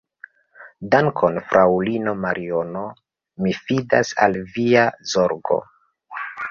Dankon, fraŭlino Mariono, mi fidas al via zorgo.